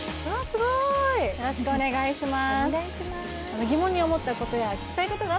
すごいよろしくお願いします